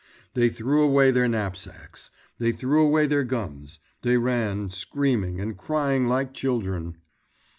They threw away their knapsacks, they threw away their guns, they ran screaming and crying like children.